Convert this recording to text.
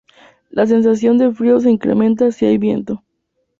La sensación de frío se incrementa si hay viento.